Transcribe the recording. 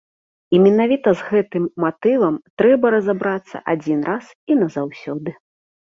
І менавіта з гэтым матывам трэба разабрацца адзін раз і назаўсёды.